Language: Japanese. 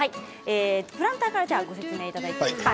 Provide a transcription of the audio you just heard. プランターからご説明いただいていいですか？